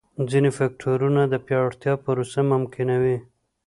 ځیني فکټورونه د پیاوړتیا پروسه ممکنوي.